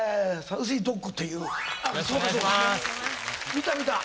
見た見た。